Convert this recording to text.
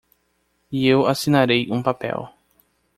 E eu assinarei um papel.